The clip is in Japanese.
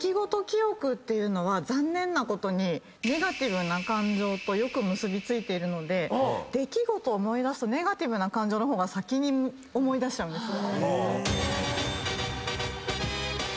記憶っていうのは残念なことにネガティブな感情とよく結び付いているので出来事を思い出すとネガティブな感情先に思い出しちゃうんです。